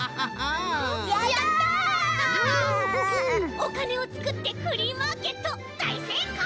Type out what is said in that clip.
おかねをつくってフリーマーケットだいせいこう！